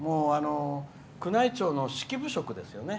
宮内庁の式部職ですよね。